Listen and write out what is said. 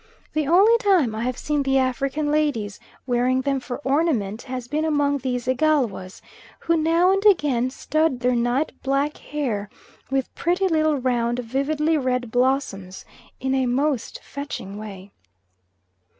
The only time I have seen the African ladies wearing them for ornament has been among these Igalwas, who now and again stud their night black hair with pretty little round vividly red blossoms in a most fetching way.